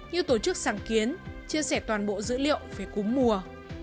như tổ chức sáng kiến chia sẻ toàn bộ dữ liệu về cúng mùa